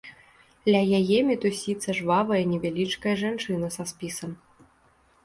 Ля яе мітусіцца жвавая невялічкая жанчына са спісам.